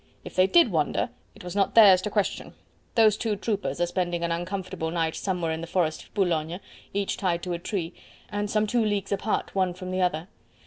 If they did wonder, it was not theirs to question. Those two troopers are spending an uncomfortable night somewhere in the forest of Boulogne, each tied to a tree, and some two leagues apart one from the other.